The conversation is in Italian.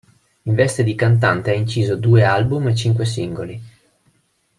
In veste di cantante ha inciso due album e cinque singoli.